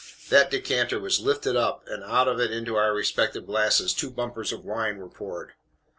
That decanter was LIFTED UP, and out of it into our respective glasses two bumpers of wine were poured.